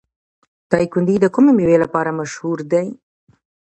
دایکنډي د کومې میوې لپاره مشهور دی؟